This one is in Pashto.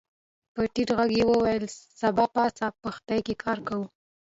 په ټيټ غږ يې وويل سبا پاس پښتې کې کار کوو.